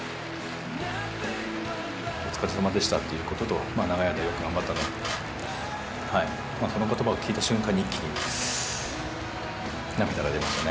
お疲れさまでしたっていうことと、長い間よく頑張ったねって、そのことばを聞いた瞬間に、一気に涙が出ましたね。